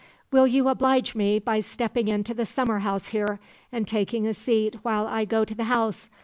Will you oblige me by stepping into the summer house here, and taking a seat while I go to the house?